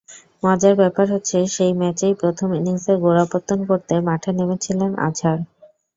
মজার ব্যাপার হচ্ছে, সেই ম্যাচেই প্রথম ইনিংসের গোড়াপত্তন করতে মাঠে নেমেছিলেন আজহার।